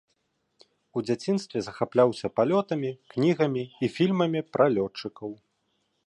У дзяцінстве захапляўся палётамі, кнігамі і фільмамі пра лётчыкаў.